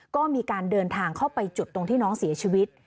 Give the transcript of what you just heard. ก็มีการเดินทางเข้าไปจุดตรงที่น้องเสียชีวิต